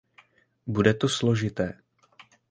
Bude to složité.